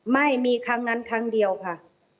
ไม่มีครั้งนั้นครั้งเดียวค่ะ